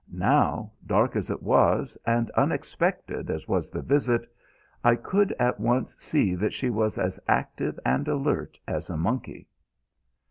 Now, dark as it was, and unexpected as was the visit, I could at once see that she was as active and alert as a monkey.